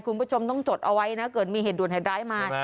คุณผู้ชมต้องจดเอาไว้นะเกิดมีเหตุด่วนเหตุร้ายมา